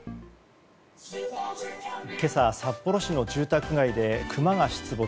今朝、札幌市の住宅街でクマが出没。